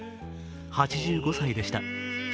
８５歳でした。